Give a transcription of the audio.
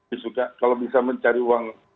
ya saya disuka kalau bisa mencari uang cari margin